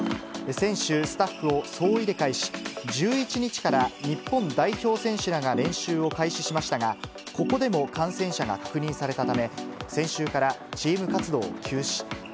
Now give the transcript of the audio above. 選手、スタッフを総入れ替えし、１１日から日本代表選手らが練習を開始しましたが、ここでも感染者が確認されたため、先週からチーム活動を休止。